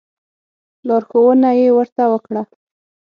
لارښوونه یې ورته وکړه.